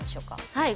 はい。